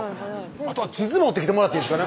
あとは地図持ってきてもらっていいですか？